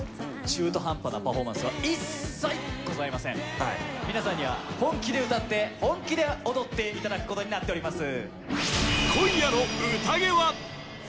中途半端なパフォーマンスは一切ございません皆さんには本気で歌って本気で踊っていただくことになっております